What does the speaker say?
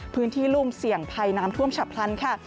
พื้นที่รุ่มเสี่ยงภัยน้ำท่วมฉับพลันค่ะ